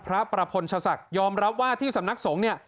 พระประพลชศักดิ์ยอมรับว่าที่สำนักสงฆ์เนี่ย